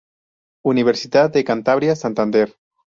Universidad de Cantabria, Santander.